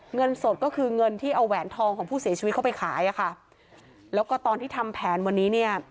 เงินสดก็คือเงินที่เอาแหวนทองของผู้เสียชีวิตเข้าไปขายอ่ะค่ะแล้วก็ตอนที่ทำแผนวันนี้เนี่ย